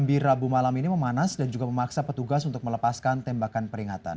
jambi rabu malam ini memanas dan juga memaksa petugas untuk melepaskan tembakan peringatan